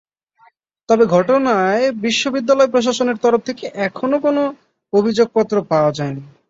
তবে ঘটনায় বিশ্ববিদ্যালয় প্রশাসনের তরফ থেকে এখনো কোনো অভিযোগ পাওয়া যায়নি।